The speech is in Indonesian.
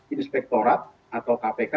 inspektorat atau kpk